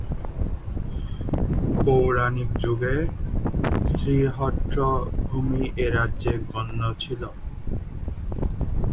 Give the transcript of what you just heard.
পৌরাণিক যুগে শ্রীহট্ট ভূমি এ রাজ্যে গণ্য ছিল।